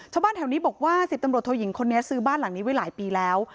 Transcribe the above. ชาวบ้านแถวนี้บอกว่า๑๐ตำรวจโทยิงคนนี้ซื้อบ้านหลังนี้ไว้หลายปีแล้ว